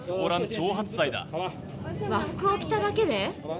和服を着ただけで？